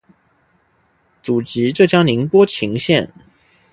祖籍浙江宁波鄞县。